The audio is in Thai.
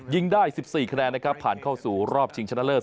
ได้๑๔คะแนนนะครับผ่านเข้าสู่รอบชิงชนะเลิศ